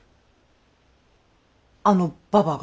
あのババが。